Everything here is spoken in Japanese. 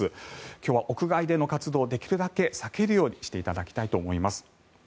今日は屋外での活動できるだけ避けるようにしていただきたいと思います。